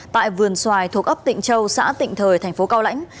tại vườn xoài thuộc ấp tịnh châu xã tịnh thời thành phố cao lãnh